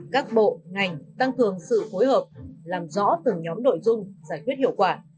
các bộ ngành tăng cường sự phối hợp làm rõ từng nhóm nội dung giải quyết hiệu quả